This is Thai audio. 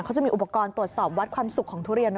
เขาจะมีอุปกรณ์ตรวจสอบวัดความสุขของทุเรียน